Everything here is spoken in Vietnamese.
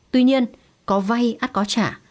tuy nhiên có vay át có trả